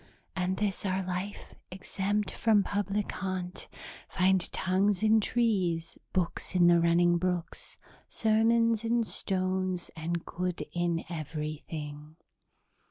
'And this our life, exempt from public haunt, finds tongues in trees, books in the running brooks, sermons in stones, and good in everything.'"